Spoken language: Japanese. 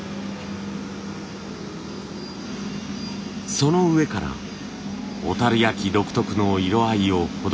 その上から小焼独特の色合いを施します。